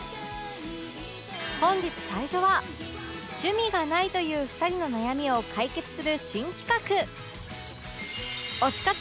本日最初は趣味がないという２人の悩みを解決する新企画